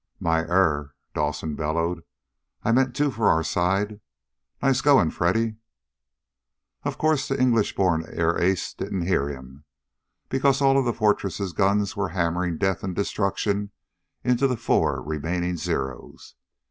"My error!" Dawson bellowed. "I meant, two for our side. Nice going, Freddy!" Of course the English born air ace didn't hear him, because all of the Fortress's guns were hammering death and destruction into the four remaining Zeros.